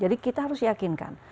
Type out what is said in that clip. jadi kita harus yakinkan